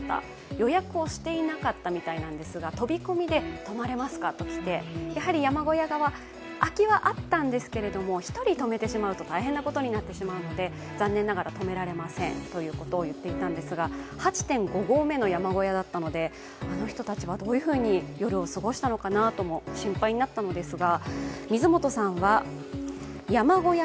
予約をしていなかったみたいなんですが、飛び込みで、泊まれますかと来てやはり山小屋空きはあったんですけれども、１人泊めてしまうと大変なことになってしまうので残念ながら泊められませんということを入っていたんですが、８．５合目の山小屋だったのであの人たちはどういうふうに夜を過ごしたのかなとも心配になったんですが。